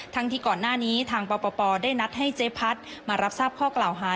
ที่ก่อนหน้านี้ทางปปได้นัดให้เจ๊พัดมารับทราบข้อกล่าวหา